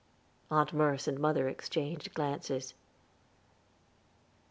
Aunt Merce and mother exchanged glances.